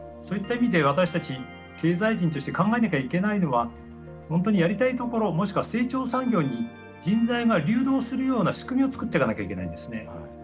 そういった意味で私たち経済人として考えなきゃいけないのは本当にやりたいところもしくは成長産業に人材が流動するような仕組みを作ってかなきゃいけないんですね。